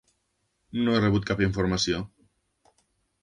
No he rebut cap informació.